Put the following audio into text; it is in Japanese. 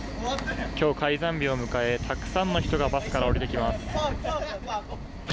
今日、開山日を迎えたくさんの人がバスから降りてきます。